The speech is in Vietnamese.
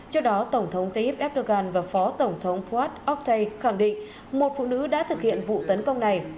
trước đó tổng thống tayyip erdogan và phó tổng thống prad oktay khẳng định một phụ nữ đã thực hiện vụ tấn công này